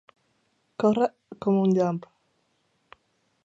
Córrer com un llamp.